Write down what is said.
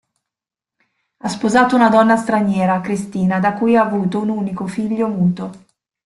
Ha sposato una donna straniera, Cristina, da cui ha avuto un unico figlio muto.